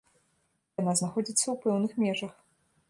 Яна знаходзіцца ў пэўных межах.